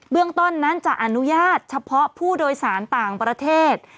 เรื่องต้นนั้นจะอนุญาตเฉพาะผู้โดยสารต่างประเทศ